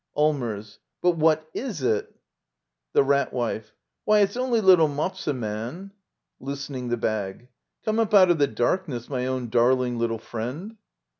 Allmers. But what tf it? The Rat Wife. Why, it's only little Mopse man. [Loosening the bag.] G)me up out of the darkness, my own darling little friend.